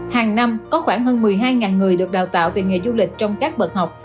hàng năm có khoảng hơn một mươi hai người được đào tạo về nghề du lịch trong các bậc học